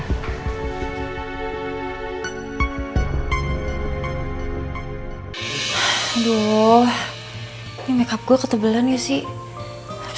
akhtar korea akhirnya itu keringin buat analyse sepenuhnya kal ludzi menjadi penyakit